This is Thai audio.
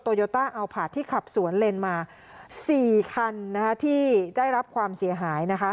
โยต้าเอาผาดที่ขับสวนเลนมา๔คันนะคะที่ได้รับความเสียหายนะคะ